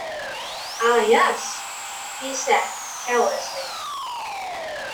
"Ah, yes," he said, carelessly.